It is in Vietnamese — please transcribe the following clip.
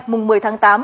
mùng một mươi tháng tám